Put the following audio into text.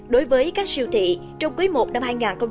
đối với các siêu thị trong cuối một năm hai nghìn hai mươi